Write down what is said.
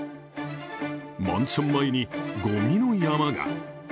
マンション前にごみの山が。